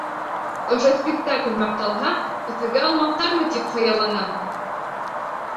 Ошо спектакль маҡталһа, Өфөгә алмаҫтармы тип хыяллана!